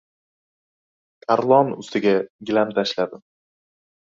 Tarlon ustiga gilam tashladim.